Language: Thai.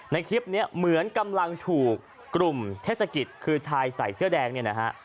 ในคลิปนี้เหมือนกำลังถูกกลุ่มเทศกิจคือชายใส่เสื้อแดงเนี่ยนะฮะ